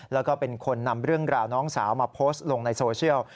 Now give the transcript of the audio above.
แล้วก็เป็นคนนำเรื่องราวน้องสาวมาโพสต์ลงในโซเชียล